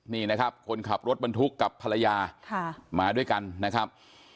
นี่นะครับคนขับรถบรรทุกกับภรรยามาด้วยกันนะครับ